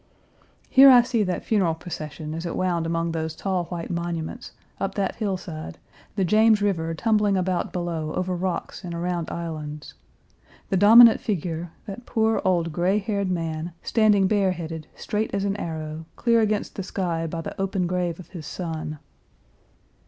Here I see that funeral procession as it wound among those tall white monuments, up that hillside, the James River tumbling about below over rocks and around islands; the dominant figure, that poor, old, gray haired man, standing bareheaded, straight as an arrow, clear against the sky by the open grave of his son.